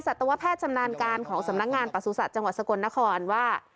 ตวแพทย์ชำนาญการของสำนักงานประสุทธิ์จังหวัดสกลนครว่า